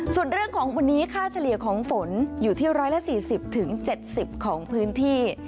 ส่วนเรื่องของวันนี้ค่าเฉลี่ยของฝนอยู่ที่๑๔๐๗๐ของพื้นที่